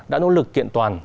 đã nỗ lực kiện toàn